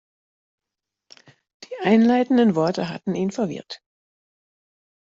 Die einleitenden Worte hatten ihn verwirrt.